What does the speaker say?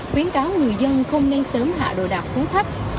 khuyến cáo người dân không nên sớm hạ đồ đạc xuống thấp